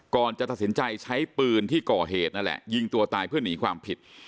ก่อนจะตัดสินใจใช้ปืนที่ก่อเหตุนั่นแหละยิงตัวตายเพื่อหนีความผิด